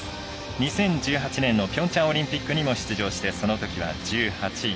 ２０１８年のピョンチャンオリンピックにも出場して、そのときは１８位。